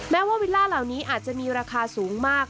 แม้ว่าวิลล่าเหล่านี้อาจจะมีราคาสูงมาก